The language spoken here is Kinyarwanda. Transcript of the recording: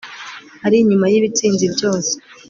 ari inyuma y'ibitsinzi byose